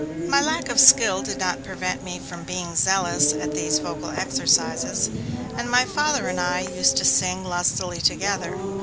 My lack of skill did not prevent me from being zealous at these vocal exercises, and my Father and I used to sing lustily together.